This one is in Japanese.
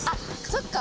そっか。